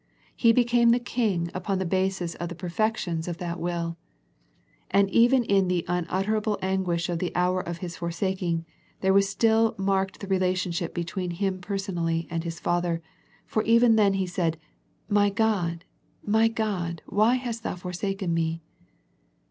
He became the King upon the basis of the perfections of that will. And even in the unutterable anguish of the hour of His forsaking, there was still marked the relationship between Him person ally and His Father, for even then He said " My God, My God, why hast Thou forsaken Me?"